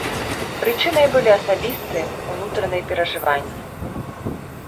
Прычынай былі асабістыя, унутраныя перажыванні.